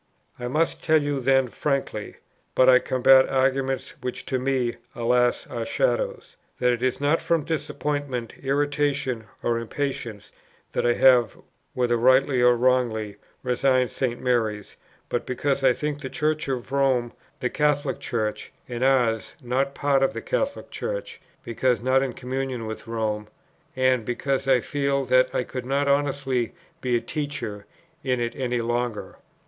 "I must tell you then frankly, (but I combat arguments which to me, alas, are shadows,) that it is not from disappointment, irritation, or impatience, that I have, whether rightly or wrongly, resigned St. Mary's; but because I think the Church of Rome the Catholic Church, and ours not part of the Catholic Church, because not in communion with Rome; and because I feel that I could not honestly be a teacher in it any longer.